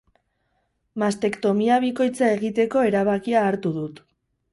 Mastektomia bikoitza egiteko erabakia hartu dut.